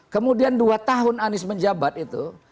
kemudian dua tahun anies menjabat itu